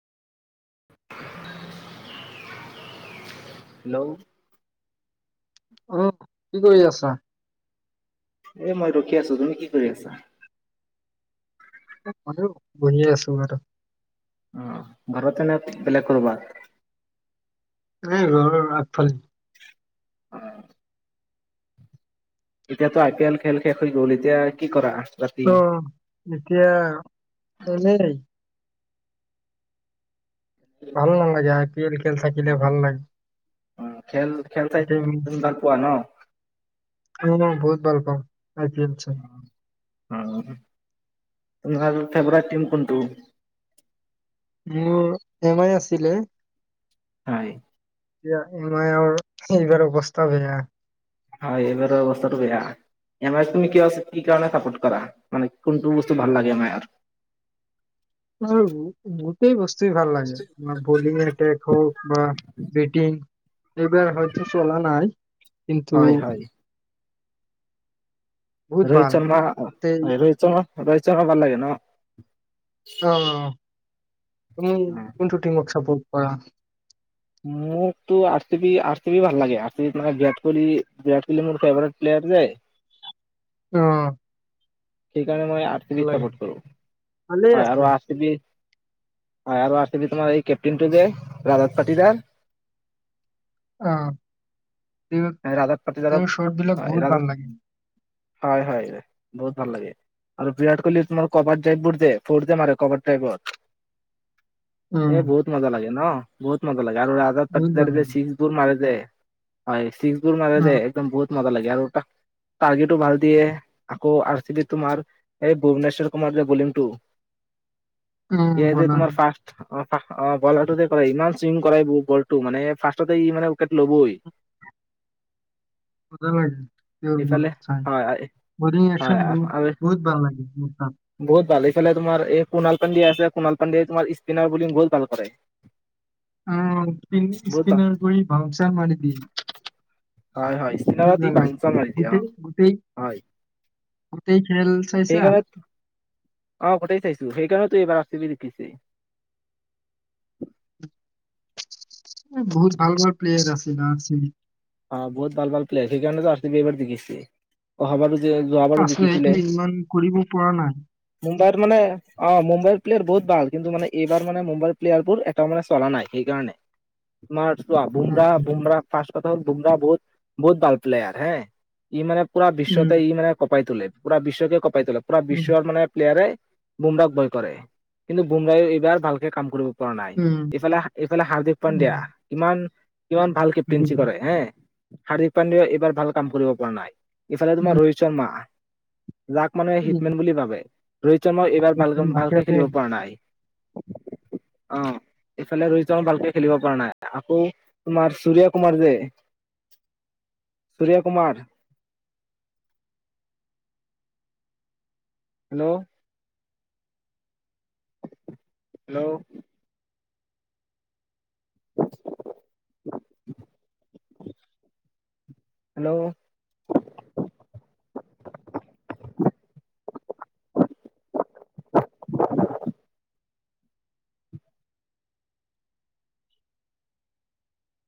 হ্' উ কি কৰি আছা এ মই ৰখি আছো তুমি কি কৰি আছা ম বহিয় আছো বাৰু অ ঘৰতে ন বেলেগ কৰবাত এ ঘৰৰ আগফালে অ এতিয়াতো আই পি এল খেল শেষ হৈ গ'ল এতিয়া কি কৰা ৰাতি? অ এতিয়া এনেই ভাল নেলাগে একো পি এল খেল থাকিলে ভাল লাগে অ খেল খেল চাই উম তুমি ভাল পোৱা ন? অ বহুত ভাল পাওঁ আই পি এল চ অ তমাৰ ফেভট টীম কোনটো মোৰ এম আই আছিলে হয় এতিয়া এম আইৰ এইবাৰ অৱস্থা বেয়া হয় এইবাৰ অৱস্থাটো বেয়া এম আই তুমি কি কি কাৰে চাপৰ্ট কৰা মানে কোনটো বস্তু ভাল লাগে এম আইৰ অ গোটই বস্তু নিশ্চয় ভাল লাগে বা বলিং এটাক হক বা বেটিং এইবাৰ হয়তো চলা নাই কিন্তু হয় হয় বহুত ৰোহিত ভাল শৰ্মা গোটেই ৰোহিত শৰ্মা ৰোহিত শৰ্মা ভাল লাগে ন অঁ তুমি কোনটো টীমক সাপোৰ্ট কৰা মোকতো R C B, R C B ভাল লাগে আৰ চি বিএনে বিৰাট কোহলি বিৰাট কোহলি মোৰ ফেভৰেট প্লেয়াৰ যায় অ সেইকাৰণে মই আৰ চি বি ভাল লাগে। চাপৰ্ট কৰো ভালেই হয় আছে। আৰু আৰ চি বি হয় আৰু আছে তোমাৰ এই কেপটন টু যে ৰজত পাটিদাৰ অঁ তেওঁৰ ৰাজাত পাটিদাৰক তেওঁৰ শতবিলাক হয় বহুত ৰাজাত ভাল লাগে হয় হয় বহুত ভাল লাগে আৰু বিৰাট কোহলি তোমাৰ কবাৰ্ড ড্ৰাইভবোৰ দ ফৰ্থ যে মাৰে কবাৰ্ড ড্ৰাইভত এ উম, বহুত মজা লাগে ন বহত মজা লাগে আৰু ৰজত বহুত ভাল পাতিদাৰ এ লাগে। ছিক্স বোৰ মাৰে যে হয় বোৰ মাৰে যে উম, একদম বহুত মজা লাগে আৰু টাৰ্গেটো ভাল দিয়ে আকৌ আৰ চি বি তোমাৰ এই ভূনেশ্বৰ তুমাৰ যে বলিং টো উম, ই যে বলা তোমাৰ ফাৰ্ষ্ট অ অ বলাৰটোতে কৰে ইমান চুইম কৰাই বলটো মানে ফাৰ্ষ্টতেই মানে উইকেট ল'বই মজা লাগে তেওঁৰবোৰ ইফালে চাই হয় বৰিং এ হয় শনবোৰ আৰু বহুত ভাল লাগে মোৰ চাম ইফালে তোমাৰ এই কুণাল পাণ্ডিয়া আছে কুণাল পাণ্ডিয়াই‌ তোমাৰ স্পিনাৰ বলিং বহুত ভাল কৰে আহ স বহুত ভাল স্পিনাৰ কৰি ভাংচাৰ মাৰি দিম হয় হয় বহুত স্পিনাৰত ই ভাল লাগে বাউঞ্চাৰ মাৰি দিয়ে অ গোটেই গোটেই গোটেই খেল চাইছা? সেইক ব অ গোটেই চাইছো সেইকাৰণে তো এইবাৰ আ চিবি জিকিছে বহুত ভাল ভাল প্লেয়াৰ আছিল আৰ চিবি অ বহুত ভাল ভাল প্লেয়াৰ সেইকাৰণেতো এবাৰ জিকিছে অহাবাৰ যোৱাবাৰো আছে জিকিছিলে কিন্তু ইমান কৰিব পৰা নাই। মুম্বাইত মানে অ মুম্বাইত প্লেয়াৰ বহুত ভাল কিন্তু মানে এইবাৰ মানে মুম্বাইৰ প্লেয়াৰবোৰ এটাও মানে চলা নাই সেইকাৰণে তমাৰ উম, বুমৰা বুমৰা পা বুমৰা বহুত বহুত ভাল প্লেআৰ হে ই মানে পুৰা বিশ্বতে উম, ই মানে কঁপাই তোলে। পুৰা বিশ্বক পাই পুৰা উম, বিশ্বৰ মানে প্লেয়াৰে। বুমৰাক ভয় কৰে কিন্তু বুমৰাই এইবাৰ ভালকে কাম কৰিব প কৰা নাই উম, এইফালে এইফালে হাৰ্দিক উম, পাণ্ড্যা ইমান কিমান ভালকে উম, প উম, কৰে হে হাৰ্দিক পাণ্ডে এইবাৰ ভাল কাম কৰিব পৰা নাই ইফালে উম, তোমাৰ ৰোহিত শৰ্মা যাক মানুহে উম, হিটমেন বুলি ভাবে। ৰোহিত শৰ্মা এইবাৰ ভাল উম, উম, ভালকে খেলিব উম, পৰা নাই অ এইফালে ৰহিত শৰ্মা ভালকে খেলিব পৰা নাই আকৌ তোমাৰ চুৰিয়া কুমাৰ যে Surya Kumar hello hello hello